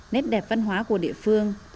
nét đẹp văn hóa của địa phương